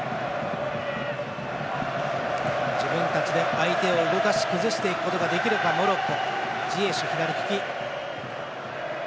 自分たちで相手を動かし崩していくことができるかモロッコ。